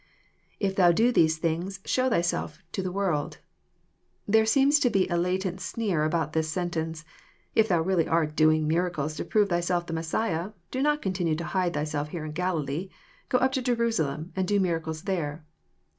llf iJiou do these things^ show thyself to the toorld,'] There seems to be a latent sneer about this sentence. *' If Thou really art doing miracles to prove Thyself the Messiah, do not con tinue to hide Thyself here in Galilee. Go up to Jerusalem, and do miracles there."